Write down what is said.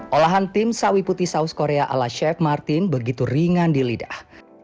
olahan tim sawi putih saus korea ala chef martin begitu ringan di lidah